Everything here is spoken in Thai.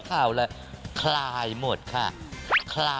ข่าวเลยคลายหมดค่ะ